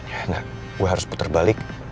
ya enggak gue harus puter balik